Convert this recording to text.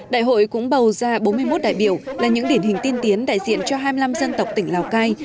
đại hội cũng bầu ra bốn mươi một đại biểu là những điển hình tiên tiến đại diện cho hai mươi năm dân tộc tỉnh lào cai